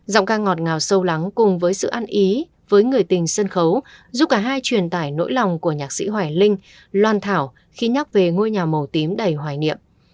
giọng ca ngọt ngào sâu lắng cùng với sự ăn ý với người tình sân khấu giúp cả hai truyền tải nỗi lòng của nhạc sĩ hoài linh loan thảo khi nhắc về ngôi nhà màu tím đầy hoài niệm